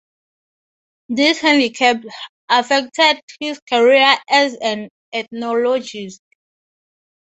This handicap affected his career as an ethnologist.